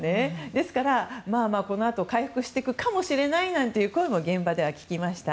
ですから、このあと回復していくかもしれないという声も現場では聞きました。